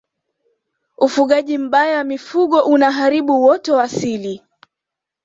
ufugaji mbaya wa mifugo unaharibu uoto wa asili